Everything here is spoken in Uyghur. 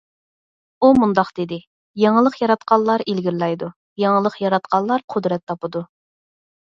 ئۇ مۇنداق دېدى: يېڭىلىق ياراتقانلار ئىلگىرىلەيدۇ، يېڭىلىق ياراتقانلار قۇدرەت تاپىدۇ.